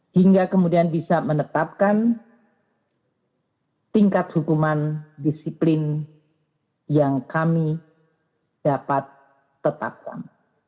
hingga kemudian bisa menetapkan tingkat hukuman disiplin yang kami dapat tetapkan